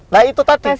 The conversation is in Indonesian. nah itu tadi